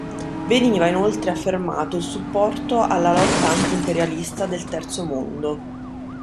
Veniva inoltre affermato il supporto alla lotta anti-imperialista del Terzo Mondo.